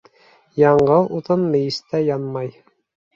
Яңғыҙ утын мейестә янмай.